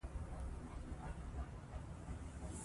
کلي د افغانستان د ځایي اقتصادونو بنسټ دی.